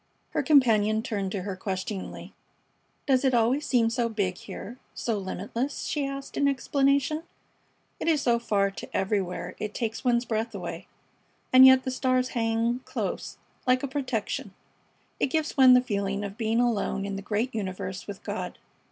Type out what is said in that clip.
Her companion turned to her questioningly: "Does it always seem so big here so limitless?" she asked in explanation. "It is so far to everywhere it takes one's breath away, and yet the stars hang close, like a protection. It gives one the feeling of being alone in the great universe with God.